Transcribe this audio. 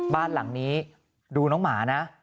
บ้านหลังนี้ดูน้องหมานะ